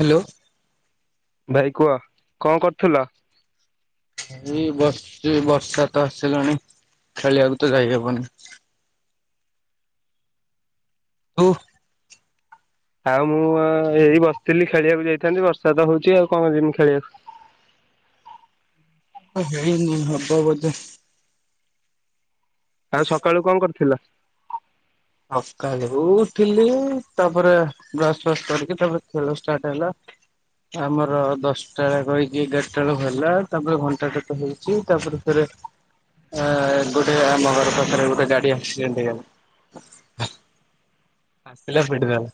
Hello [inaudible] ଭାଇ କୁହ କଣ କରୁଥୁଲ? ଏଇ ବସଚି, ବର୍ଷା ତ ଆସିଲାଣି, ଖେଳିବାକୁ ତ ଯାଇ ହବନି। ତୁ ଆଉ ମୁଁ ଅ, ଏଇ ବସିଥିଲି ଖେଳିବାକୁ ଯାଇଥାନ୍ତି। ବର୍ଷା ତ ହଉଛି ଆଉ କଣ କରିବି। ମୁଁ ଖେଳିବାକୁ ତ ହେଇନି ହବ ବୋଧେ। ଆଉ ସକାଳୁ କଣ କରିଥିଲ? ସକାଳ ଉଠିଲି, ତାପରେ ବ୍ରସ ଫସ୍ କରିକି ତାପରେ ଖେଳ ଷ୍ଟାର୍ଟ ହେଲା। ଆମର ଦଶଟା ବେଳେ କହିକି ଏଗାର ଟା ବେଳକୁ ହେଲା। ତାପରେ ଘଣ୍ଟା ଟେ ତ ହେଇଚି। ତାପରେ ରେ ଏ, ଗୋଟେ ଆମ ଘର ପାଖରେ ଗୋଟେ ଗାଡି ଆକ୍ସିଡେଣ୍ଟ ହେଇଗଲା। ହ [inaudible] ଆସିଲା ପିଟିଦେଲା।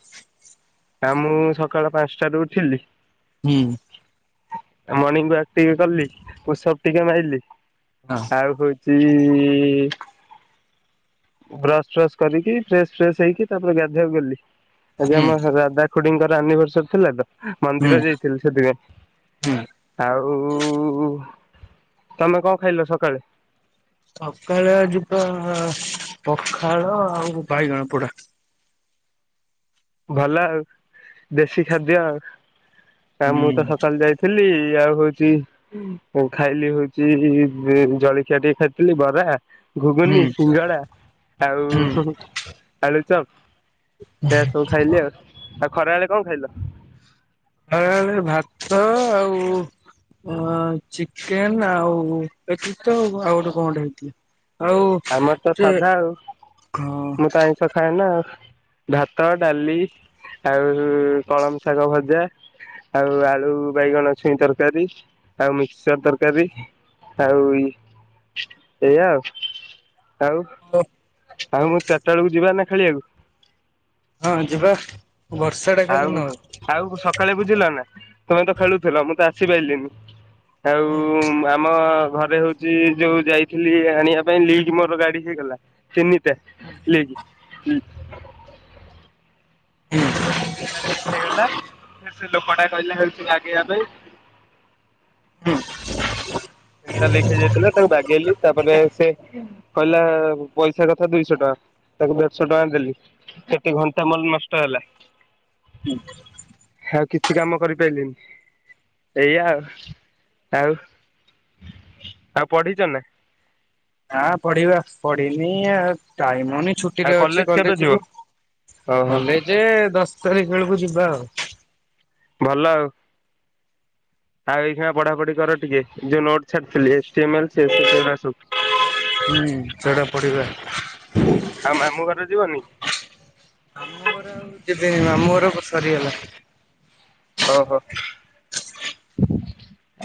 ଆ, ମୁଁ ସକାଳ ପାନ୍ସଟାରୁ ଉଠିଲି। ହୁଁ। ଆ, ମର୍ଣ୍ଣିିଂ ୱାକ୍ ଟିକେ କଲି, ପୁସୋପ୍ ଟିକେ ମାଇଲି। ହଁ। ଆଉ ହଉଚି ବ୍ରସ୍ ଫ୍ରସ୍ କରିକି ଫ୍ରେସ୍ ଫ୍ରେସ୍ ହେଇକି ତାପରେ ଗାଧେଇବାକୁ ଗଲି। ଆଜି ହୁଁ ଆମ ହୋ ଦାଦା ଖୁଡିଙ୍କର ଆନିଭର୍ସର ଥିଲା ତ ହୁଁ ମନ୍ଦିର ଯାଇଥିଲି ସେଥିପାଇଁ। ହୁଁ। ଆଉ ତୋମେ କଣ ଖାଇଲ ସକାଳେ? ସକାଳେ ଆଜି ପା ପଖାଳ ଆଉ ବାଇଗଣ ପୁଡା। ଭଲ ଆଉ ଦେଶୀ ଖାଦ୍ୟ। ଆଉ ମୁଁ ତ ହୁଁ ସକାଳୁ ଯାଇ ଥିଲି, ଆଉ ହଉଚି ଏଁ, ଖାଇଲି ହଉଚି ଏ ଜଳଖିଆ ଟିକେ ଖାଇଥିଲି ବରା। ହୁଁ ଘୁଗୁନି, ସିଙ୍ଗଡା ହୁଁ। ଆଉ ଆଳୁଚପ୍। ଓ, ହଁ। ସବୁ ଖାଇଲି ଆଉ। ଆଉ ଖରା ବେଳେ କଣ ଖାଇଲ? ଖରାବେଳେ ଭାତ ଆଉ ଅ, ଚିକେନ୍ ଆଉ ଏତିକି ତ ଆଉ କଣ ଗୋଟେ କଣ ଗୋଟେ ହେଇଥିଲା। ଆଉ ଆମର ତ ସେ ସାଧା ଆଉ, ହଁ ମୁଁ ତ ଆଇଁ ଷ ଖାଏ ନା, ଭାତ, ଡାଲି ଆଉ କଳମ ଶାଗ ଭଜା। ଆଉ ଆଳୁ ବାଇଗଣ ଛୁଇଁ ତରକାରୀ ଆଉ ମିକ୍ସଚର ତରକାରୀ। ଆଉ ଇ, ଏଇଆ। ଆଉ ଆଉ ମୁଁ ଚାଟା ବେଳକୁ ଯିବା ନା ଖେଳିବାକୁ? ହଁ ଯିବା ବର୍ଷା ଟା ଆଉ ଖାଲି ନ ହଉ। ଆଉ ସକାଳେ ବୁଝିଲ ନା, ତୋମେ ତ ଖେଳୁଥିଲ ମୁଁ ତ ଆସିପାଇଲିନି। ଆଉ ହୁଁ ଆମ ଘରେ ହଉଚି ଯୋଉ ଯାଇଥିଲି ଆଣିବା ପାଇଁ ଲିକ୍ ମୋର ଗାଡି ହେଇଗଲା। ସେ ନି। [unintelligible] ହୁଁ। ତିନିଟା ଲିକ୍ ହେଇଗଲା ସେ ଲୋକଟା କହିଲା ହେଉଛି ବାଗେଇବା ପାଇଁ। ହୁଁ। ତିନିଟା ଲିକ୍ ହେଇ ଯାଇଥିଲା ତାକୁ ବାଗେଇଲି ତାପରେ ସେ କହିଲା ପଇସା କଥା ଦୁଇଶହ ଟଙ୍କା ତାକୁ ଦେଢ଼ଶହ ଟଙ୍କା ଦେଲି। କେତେ ଘଣ୍ଟା ମୋର ନଷ୍ଟ ହେଲା। ହୁଁ। ଆଉ କିଛି କାମ କରିପାରିଲିନି ଏଇଆ ଆଉ। ଆଉ ଆଉ ପଢି଼ଛ ନା? ନା ପଢ଼ିବା ପଢି଼ନି ଆଉ ଟାଇମ ହଉନି ଛୁ ଛୁଟି ଆଉ ରେ କେବେ କଲେଜ ଯିବ ରୁ, ଓହୋ କଲେଜ ଦଶ ତାରିଖ ବେଳକୁ ଯିବା ଆଉ। ଭଲ ଆଉ। ଆଉ ଏଇନା ପଢ଼ାପଢ଼ି କର ଟିକେ ଯୋଉ ନୋଟ ଛାଡିଥିଲି। ଏଚ୍ ଟି ଏମ୍ ଏଲ୍, [unintelligible] ସବୁ। ହୁଁ ସେଟା ପଢ଼ିବା। ଆଉ ମାମୁଁ ଘର ଯିବନି? ମାମୁଁ ଘର ଆଉ ଯିବିନି ମାମୁଁ ଘର [unintelligible] ସରିଗଲା। ଓହୋଃ।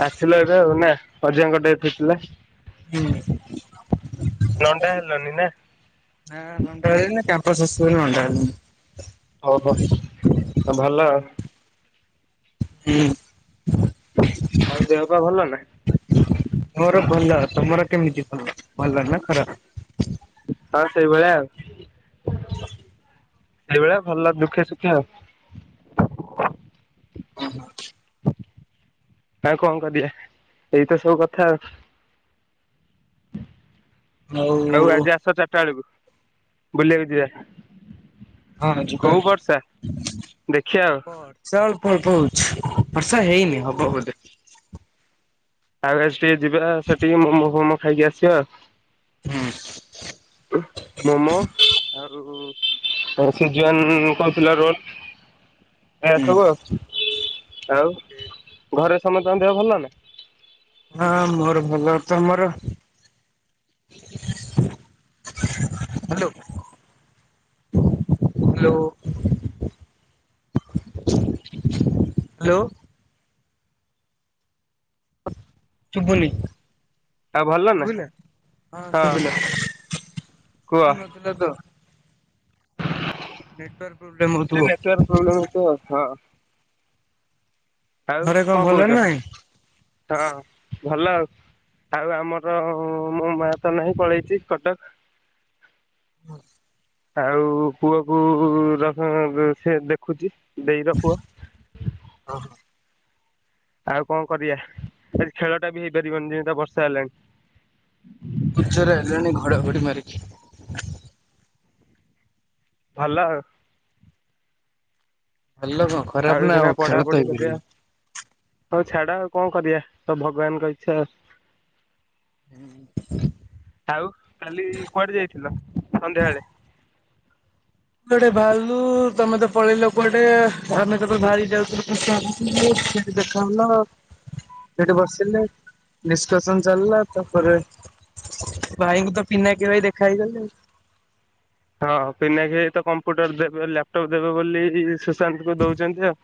ଆସିଲ ଏବେ ଆଉ ନା ଅଜାଙ୍କ ଡେଥ ହେଇଥିଲା। ହୁଁ ନଣ୍ଡା ହେଲନି ନା? ନା ନଣ୍ଡା ହେଲିନି, କ୍ୟାମ୍ପସ୍ ଅଛି ବୋଲି ନଣ୍ଡା ହେଲିନି। ଓହୋଃ, ସବୁ ଭଲ? ହୁଁ। ଆଉ ଦେହ ପା ଭଲ ନା? ମୋର ଭଲ। ତମର କେମିତି [unintelligible] ଭଲ ଭଲ ନା ଖରାପ? ହଁ ସେଇ ଭଳିଆ ଆଉ। ସେଇଭଳିଆ ଭଲ ଦୁଃଖେ ସୁଖେ ଆଉ। ଓହୋଃ। ଆଉ କଣ କରିବା? ଏଇତ ସବୁ କଥା ଆଉ। ଆଉ ଆଜି ଆସ ଚାରିଟା ବେଳକୁ ବୁଲିବାକୁ ଯିବା। ହଁ ହଁ ଯିବା। ହଉ ବର୍ଷା [unintelligible] ଦେଖିବା ଆଉ। ବର୍ଷା ଅଳ୍ପ ଅଳ୍ପ ହଉଛି। ବର୍ଷା ହେଇନି ହବ ବୋଧେ। ଆଉ ଆଜି ଟିକେ ଯିବା ସେଠିକି ମୋମୋ ପୋସ୍କୋ ଖାଇକି ଆସିବା। ହୁଁ। ମୋମୋ ଆଉ ସିଜୱାନ [unintelligible] ରୋଲ୍। ଏ ହୁଁ। ସବୁ ଆଉ, ଆଉ ଘରେ ସମସ୍ତଙ୍କ ଦେହ ଭଲ ନା? ହଁ ମୋର ଭଲ। ତମର? ହ୍ୟାଲୋ ହ୍ୟାଲୋ ହ୍ୟାଲୋ ଶୁଭୁନି। ଆଉ ଭଲ ନା ଶୁଭିଲା? ହଁ ଶୁଭିଲା। କୁହ ଶୁଭୁନଥିଲା ତ। ନେଟୱାର୍କ ପ୍ରୋବ୍ଲେମ୍ ହଉଥିବ। ପ୍ରୋବ୍ଲେମ୍ ହଉଛି ତ ହଁ। ଆଉ ଘରେ କଣ ଭଲ କହୁଛ? ନା ନାଇଁ? ହଁ ଭଲ ଆଉ। ଆଉ ଆମର ମୋ ମାଆ ତ ନାହିଁ, ପଳେଇଛି କଟକ। ହଁ। ଆଉ ପୁଅକୁ ର [unintelligible] ସେ ଦେଖୁଛି ଦେଇର ପୁଅ। ଓହୋଃ। ଆଉ କଣ କରିବାଆ ଖେଳ ଟା ବି ହେଇପାରିବନି ଯେମିତା ବର୍ଷା ହେଲାଣି ଉଚରେ ଆିଲଣି ଘଡ଼ଘଡ଼ି ମାରିକି ଭଲ ଭଲ କଣ ଖରାପ ନା ଏଇଖିଣା ଆଉ ଖେଳ ପଢାପଢି ତ ହେଇି କରିବା ହଉ ଛାଡ ଆଉ କଣ କରିବା ତ ଭଗବାନଙ୍କ ଇଚଛା ଆଉ ଆଉ କାଲି କୁଆଡେ ଯାଇଥିଲ ସନ୍ଧ୍ୟାବେେଳେ ଗୋଟେ ବାହାରିଲୁ ତମେ ତ ପଳେଇ ଲୋକ ଗଟେ ଆମେ ତମେ ବାହାରି ଯାଉଥିଲୁ ଦେଖା ହ ନା ହଁ ସେଠି ବସିଲେ ନିଷ୍କାସନ ଚାଲିଲା ତାପରେ ଭାଇଙ୍କୁ ତ ପିନାା କି ଭାଇ ଦେଖା ହେଇଗଲେଣି ହଁ ପନାକି ତ କମ୍ପ୍ୟୁଟର ଦେବେ ଲାପଟପ୍ ଦେବେ ବୋଲି ସୁଶାନ୍ତ କୁ ଦଉଛନ୍ତି ଆଉ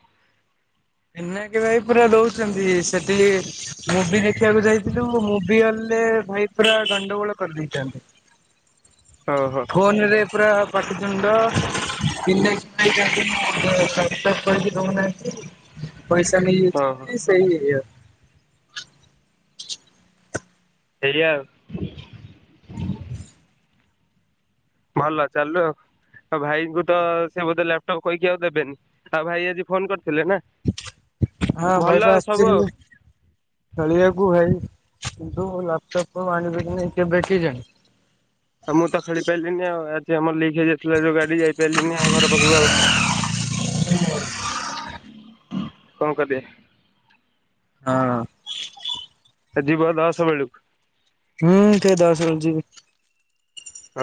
ଏନା କେ ଭାଇ ପୁରା ଦଉଛନ୍ତି ସେଠି ମୁଭି ଦେଖିବାକୁ ଯାଇଥିଲୁ ମୁଭି ଗଲେ ଭାଇ ପୁରା ଗଣ୍ଡଗୋଳ କରିଦେଇଥାନ୍ତି ହଁ ହଁ ଫୋନ ରେ ପୁରା ପାଟୁଚଣ୍ଡ ପିନ୍ଧ କରିକି ରହୁନାହାନ୍ତି ପଇସା ହଁ ହଁ ନେଇଯାଉ ସେଇ ଇ ହେରି ଆଉ ଭଲ ଚାଲୁ ଆଉ ଭାଇଙ୍କୁ ତ ସେ ବୋଧେ ଲାପଟପ୍ କହିକି ଆଉ ଦେବେନି ଆଉ ଭାଇ ଆଜି ଫୋନ କରିଥିଲେ ନା ହଁ ଭଲ ଭାଇ ବା ଆଉ ସବୁ ଆଉ ଆସିଛି ଖେଳିବାକୁ ଭାଇ କିନ୍ତୁ ଲାପଟପ କଣ ଆଣିବେ କି ନାଇଁ କେବେ କି ଜାଣି ଆଉ ମୁଁ ତ ଖେଳି ପାରିଲିନି ଆଉ ଆଜି ଆମର ଲିକ୍ ହେଇଯାଇଥିଲା ଯୋଉ ଗାଡି ଯାଇପାରିଲିନି ଆଉ ଘର ପାଖକୁ ଆଉ କଣ କରିଦି ହଁ ଯିବ ଦଶ ବେଳକୁ ହୁଁ ସେ ଦସ ରଛି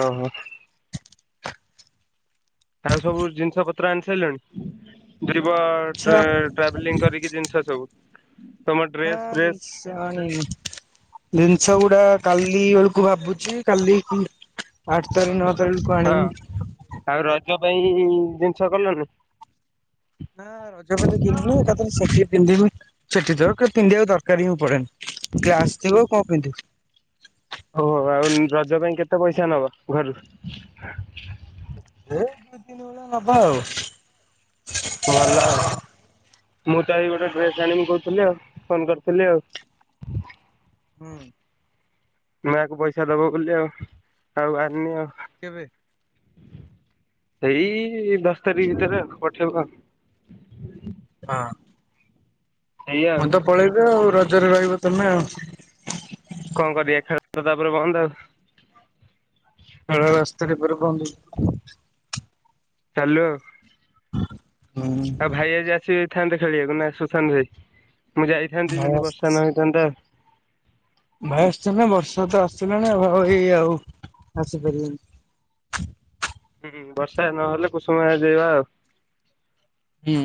ଓ ହୋ ଆଉ ସବୁ ଜିନିଷ ପତ୍ର ଆଣି ସାରିଲୁଣି ନା ଯିବ ଜିନିଷ ଟ୍ରାଭେଲିଂ କରିକି ଜିନିଷ ସବୁ ତମ ଡ୍ରେସ ଫ୍ରେସ୍ ନାଇ ଜିନିଷ ଗୁଡା କାଲି ବେଳକୁ ଭାବୁଛି କାଲି ଆଠ ହଁ ତାରି ନଅ ତାରିକୁ ହଁ। ଆଣିବି ଆଉ ରଜ ପାଇଁ ଜିନିଷ କଲଣିି ନା ରଜପତି କିଣିନି ଏକାଥରେ ସେଠି ପିନ୍ଧିବି ସେଠି ଦରକାର ପିନ୍ଧିବାକୁ ଦରକାର ହିଁ ପଡେନି [inaudible] ସେ ଆସିଥିବ ଆଉ କଣ ପିନ୍ଧିୁ [inaudible] ଓହୋ ଆଉ ରଜ ପାଇଁ କେତେ ପଇସା ନବ ଘରୁ। ଏ ଦି ଦିନ ବେଳେ ହବା ଆଉ [inaudible] ଭଲ ଆଉ ମୁଁ ତ ଏ ଗୋଟେ ଡ୍ରେସ୍ ଆଣିବି କହୁଥିଲି ଆଉ ଫୋନ କରିଥିଲି ଆଉ। ହୁଁ ନୂଆକୁ ପଇସା ଦବ ବୋଲି ଆଉ ଆଉ ଆଣନି ଆଉ। କେବେ ସେଇ ଦଶ ତାରିଖ ଭିତରେ ଆଉ ପଠେଇବ। ହଁ ସେଇଆ ଆଉ ମୁଁ ତ ପଳେଇବେ ଆଉ ରଜରେ ରହିବ ତମେ ଆଉ କଣ କରିବା ଖା ତାପରେ ବନ୍ଦ ଆଉ ଖ ରାସ୍ତାରେ ପ କହନ୍ତୁ [inaudible] ହ୍ୟାଲୋ ହଁ ଭାଇ ଆଜି ଆସିଥାନ୍ତେ ଖେଳିବାକୁ ନା ସୁଶାନ୍ତ ଭାଇ ମୁଁ ଯାଇଥାନ୍ତନ୍ତି ଭାଇ ଯଦି ଆସ ବର୍ଷା ନ ହେଇଥାନ୍ତା। ଭାଇ ଆସିଥାନ୍ତା ବର୍ଷା ତ ଆସଥିଲାଣି ଆଉ ଏଇ ଆଉ ଆସିପାରିବନି। ହୁଁ ବର୍ଷା ନହେଲେ କୁସୁମା ଆ ଯିବା ଆଉ। ହୁଁ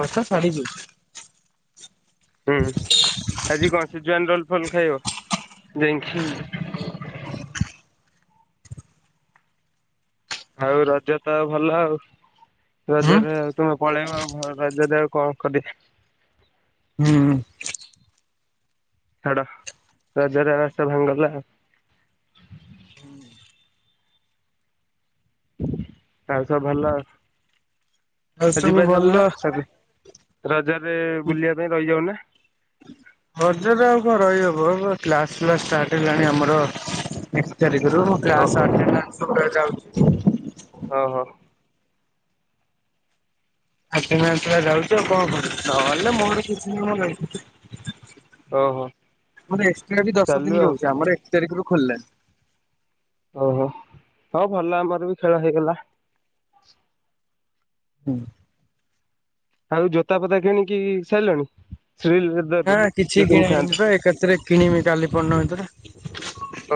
ବର୍ଷା ଛାଡିିଯିବ। ହୁଁ ଆଜି କଁ ସିଜୁଆଲ୍ ରୋଲ୍ ଫୋଲ୍ ଖାଇବ ହୁଁ ଯାଇଁ। ହାଉ ରଜ ତ ଭଲ ଆଉ ହୁଁ ରଜରେ ଆଉ ତମେ ପଳେଇବ ଆଉ ଭ ରଜରେ ଆଉ କଁ? [unintelligible] ହୁଁ। ଛାଡ ରଜର ରାସ ଭାଙ୍ଗିଗଲା ଆଉ। [inaudible] ଆଉ ସବୁ ଭଲ। ଆଉ ହେ ସବୁ ଯିବା ଭଲ ଚାଲୁନା [unintelligible] ରଜରେ ବୁଲିଆ ପାଇଁ ରଇଯାଉନା। ରଜରେ ଆଉ କଁ ରଇହବ ଏ ପା କ୍ଲାସ ଫାଲ୍ସ ଷ୍ଟାର୍ଟ ହେଲାଣି ଆମର। ଏକ୍ ତାରିଖରୁ ମୋ କ୍ଲାସ୍ ଓହୋ ଷ୍ଟାଟ୍ [unintelligible] ଯାଉଚି। ଓହୋ। ଆଟେନାନ୍ସଗୁଡା ଯାଉଚି ଆଉ କଁ କରିବି ନହଲେ ମୋର କିଛି [unintelligible] ନାଇଁ। ଓହୋ ମୋର ଏକ୍ସଟ୍ରା ବି ଦଶ ଚାଲୁ ଦିନ ଆଉ ରହୁଚି ଆମର ଏକ ତାରିଖରୁ ଖୋଲିଲାଣି। ଓହୋ ହଉ ଭଲ ଆମର ବି ଖେଳ ହେଇଗଲା। [inaudible] ଆଉ ଜୋତା ଫୋତା କିଣିକି ସାଇଲଣି ଶ୍ରୀ ଲେଦ୍ ନାଁ କିଛି କିଣା ହେଇନି ପା ଏକାତ୍ରେ କିଣମି କାଲି ପରଦିନ ଭିତେରେ।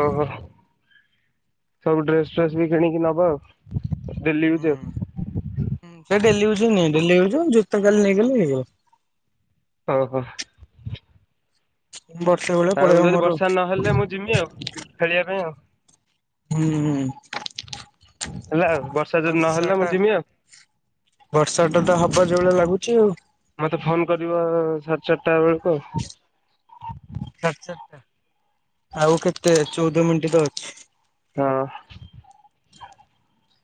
ଓହୋ ସବୁ ଡ୍ରେସ୍ ଫ୍ରେସ୍ ବି କିଣିକି ନବ ଆଉ। ଡେଲି ୟୁଜ ହୁଁ ହୁଁ ସେ ଡେଲି ୟୁଜୁ ନିଏ ଡେଲି ୟୁଜୁ ଜୋତ କାଲି ନେଇଗଲେ ହେଇଗଲା। ଓହୋ। ବର୍ଷେ ଭଳି। ଆଉ ଯଦି ବର୍ଷା ନହେଲେ ମୁଁ ଯିମି ଆଉ ଖେଳିଆ ପାଇଁ ଆଉ। ହୁଁ। ହେଲା ଆଉ ବର୍ଷା ଯଦି ନହେଲା ମୁଁ ଯିମି ଆଉ। ବର୍ଷାଟା ତ ହବ ଯୋଉଭଳିଆ ଲାଗୁଚି ଆଉ। ମତେ ଫୋନ୍ କରିବ ସାଡ୍ ଚାରଟା ବେଳୁକୁ। ସାଡ୍ ଚାରଟା ଆଉ କେତେ ଚଉଦ ମିଣ୍ଟି ତ ଅଛି। ହଁ।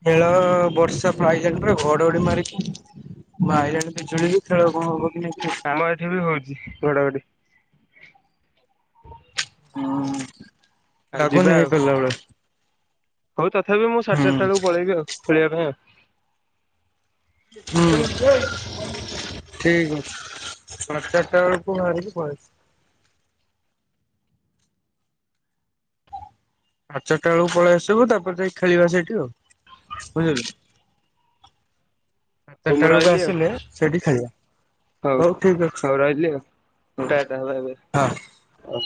ଖେଳ ବର୍ଷା ପ୍ରାଇଜ ଆଣିଥିଲ ଘଡଘଡି ମାରିକି। ମାଇଲାଣି ବିଜୁଳି ଯେ ଖେଳ କଣ ହବ କି ନାଇଁ। ଆମ ଏଠି ବି ହଉଚି ଘଡଘଡି। ହୁଁ ଆଉ ଯିବା ଲାଗୁନି ଆଉ ହେଇପାରିଲା ଭଳିଆ। ହଉ ତଥାପି ମୁଁ ସାଡ୍ ହୁଁ ଚାରଟା ବେଳୁକୁ ହୁଁ। ପଳେଇବି ଆଉ ଖେଳିବା ପାଇଁ ଆଉ। ହୁଁ। ହଉ ଠିକ୍ ଅଛି ସାଡ୍ ଚାରଟା ବେଳୁକୁ ବାହାରିକି ପଳେଇ ଆସ୍। ଆଡ୍ ଚାରଟା ବେଳୁକୁ ପଳେଇ ଆସିବୁ ତାପରେ ଯାଇ ଖେଳିବା ସେଇଠି ଆଉ ବୁଝିଲୁ। ଚାରଟା ହଉ ମୁଁ ବେଳୁକୁ ରହିଲି ଆଉ ଆସିଲେ ସେଇଠି ଖେଳିବା। ହଉ ହଉ ରହିଲି ଆଉ ଅଛି ଟା ଟା ବାଏ ବାଏ ହଁ। ଅ